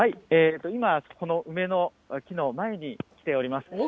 今、この梅の木の前に来ております。